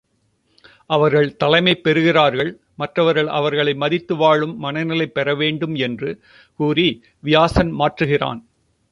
அவர்கள் தலைமை பெறுகிறார்கள் மற்றவர்கள் அவர்களை மதித்து வாழும் மனநிலை பெற வேண்டும் என்று கூறி வியாசன் மாற்றுகிறான்.